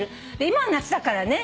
今は夏だからね